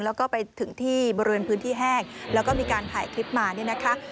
แล้วก็ไปถึงที่บริเวณพื้นที่แห้งแล้วก็มีการถ่ายคลิปมาเนี่ยนะคะ